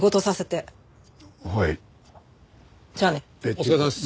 お疲れさまです。